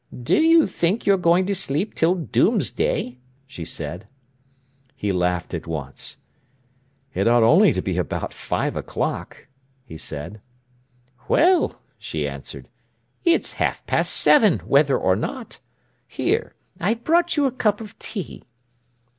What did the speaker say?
"Do you think you're going to sleep till Doomsday?" she said. He laughed at once. "It ought only to be about five o'clock," he said. "Well," she answered, "it's half past seven, whether or not. Here, I've brought you a cup of tea."